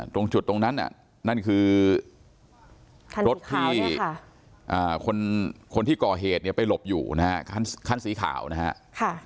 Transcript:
ตรงจุดตรงนั้นนั่นคือรถที่คนที่ก่อเหตุเนี่ยไปหลบอยู่นะฮะคันสีขาวนะฮะ